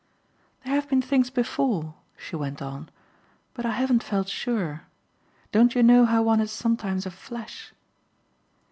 "There have been things before," she went on, "but I haven't felt sure. Don't you know how one has sometimes a flash?"